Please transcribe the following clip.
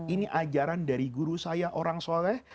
ini ajaran dari guru saya orang soleh